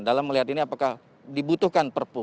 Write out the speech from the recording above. dalam melihat ini apakah dibutuhkan perpu